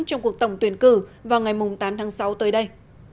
trong cuộc tổng tuyển cử vào ngày tám tháng sáu tới đây